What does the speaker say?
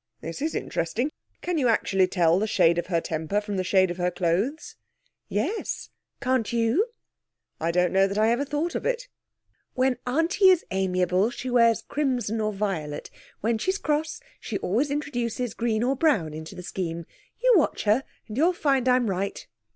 This is interesting. Can you actually tell the shade of her temper from the shade of her clothes?' 'Yes. Can't you?' 'I don't know that I ever thought of it.' 'When Auntie is amiable she wears crimson or violet. When she's cross she always introduces green or brown into the scheme. You watch her and you'll find I'm right.'